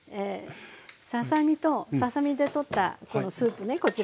ささ身とささ身でとったこのスープねこちらね。